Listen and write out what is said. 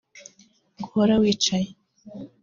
guhora wicaye